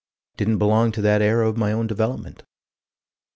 Didn't belong to that era of my own development.